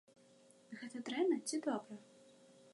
Гэта дрэнна ці добра?